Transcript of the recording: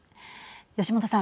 吉元さん。